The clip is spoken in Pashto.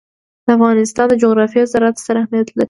د افغانستان په جغرافیه کې زراعت ستر اهمیت لري.